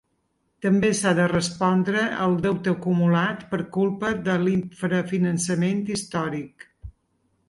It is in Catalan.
També s’ha de respondre al deute acumulat per culpa de l’infrafinançament històric.